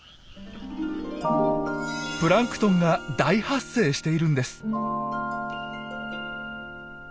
プランクトンが大発生しているんです。